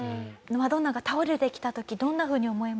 マドンナが倒れてきた時どんな風に思いましたか？